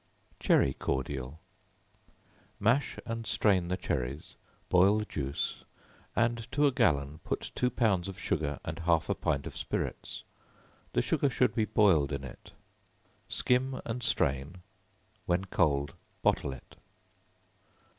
Cherry Cordial. Mash and strain the cherries, boil the juice, and to a gallon, put two pounds of sugar, and half a pint of spirits; the sugar should be boiled in it; skim and strain; when cold, bottle it.